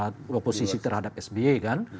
nah sebelumnya posisi terhadap sbi kan